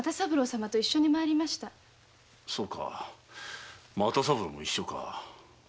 そうか又三郎も一緒か。